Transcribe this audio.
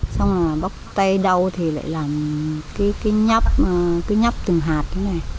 xong rồi bóc tay đầu thì lại làm cái nhắp từng hạt như thế này